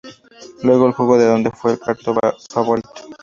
Luego jugó en el donde fue el cuarto favorito.